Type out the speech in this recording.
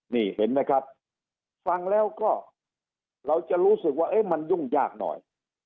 นี่เห็นไหมครับฟังแล้วก็เราจะรู้สึกว่ามันยุ่งยากหน่อย